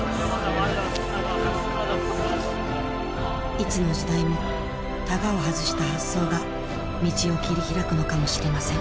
いつの時代もタガを外した発想が道を切り開くのかもしれません